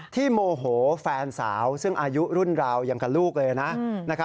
โมโหแฟนสาวซึ่งอายุรุ่นราวอย่างกับลูกเลยนะ